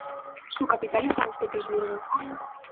Su capital es San Petersburgo.